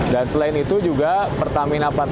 dan selain itu juga pertamina patera niaga